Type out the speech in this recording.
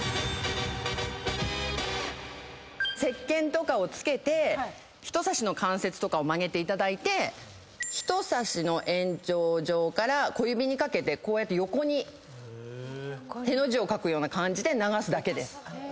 せっけんとかを付けて人さしの関節とかを曲げていただいて人さしの延長上から小指にかけてこうやって横にへの字を書くような感じで流すだけです。